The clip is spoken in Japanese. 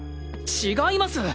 違います！